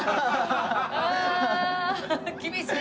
ああ厳しい！